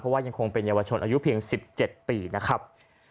ว่ายังคงเป็นเยาวชนอายุเพียง๑๗ปีนะครับ